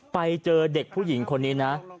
ไปเจอเด็กผู้หญิงคนนี้นะ